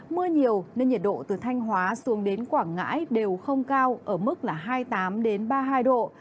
mưa nhiều nên nhiệt độ từ thanh hóa xuống đến quảng ngãi đều không cao ở mức là hai mươi tám ba mươi hai độ